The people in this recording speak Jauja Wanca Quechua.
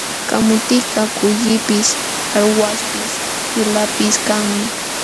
Kamutikaq kullipis, qarwaśhpis, yulaqpis kanmi.